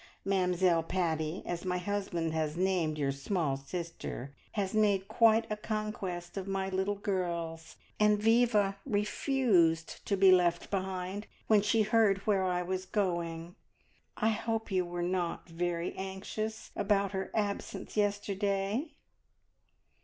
`mamzelle Paddy,' as my husband has named your small sister, has made quite a conquest of my little girls, and Viva refused to be left behind when she heard where I was going. I hope you were not very anxious about her absence yesterday?"